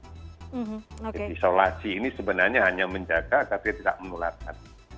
jadi isolasi ini sebenarnya hanya menjaga agar dia tidak menularkan